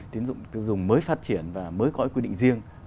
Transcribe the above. tín dụng tiêu dùng mới phát triển và mới có quy định riêng